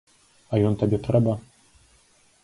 А ён табе трэба?